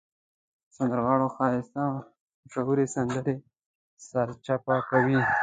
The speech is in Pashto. د سندرغاړو ښایسته مشهورې سندرې سرچپه کوي.